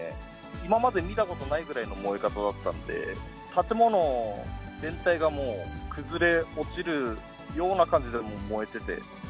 今まで見たことないぐらいの燃え方だったので、建物全体がもう、崩れ落ちるような感じでもう燃えてて。